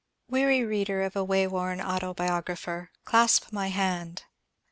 Weary reader of a wayworn autobiograpHer, clasp my hand